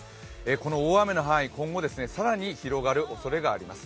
この大雨の範囲、今後更に広がるおそれがあります。